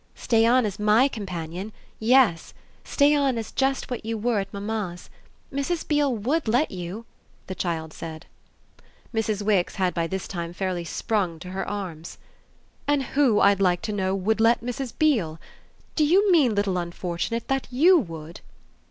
"Stay on as MY companion yes. Stay on as just what you were at mamma's. Mrs. Beale WOULD let you!" the child said. Mrs. Wix had by this time fairly sprung to her arms. "And who, I'd like to know, would let Mrs. Beale? Do you mean, little unfortunate, that YOU would?"